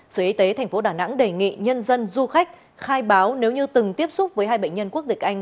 sở y tế thành phố đà nẵng đề nghị nhân dân du khách khai báo nếu như từng tiếp xúc với hai bệnh nhân quốc dịch anh